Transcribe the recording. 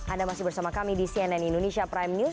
anda masih bersama kami di cnn indonesia prime news